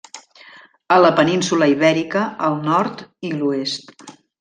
A la península Ibèrica al nord i l'oest.